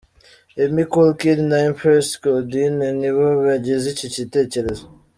Emmy Kul Kid na Empress Claudine nibo bagize iki gitekerezo.